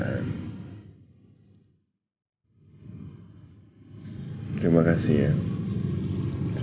dan kebahagiaan yang menyebabkan saya menangis